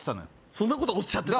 そんなことおっしゃってた？